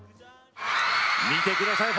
見てください。